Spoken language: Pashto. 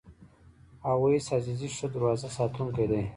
اویس عزیزی ښه دروازه ساتونکی دی.